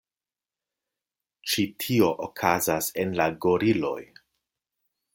Ĉi tio okazas en la goriloj.